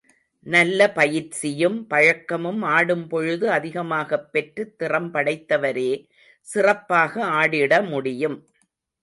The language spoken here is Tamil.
நல்ல பயிற்சியும், பழக்கமும், ஆடும்பொழுது அதிகமாகப் பெற்று திறம் படைத்தவரே சிறப்பாக ஆடிட முடியும்.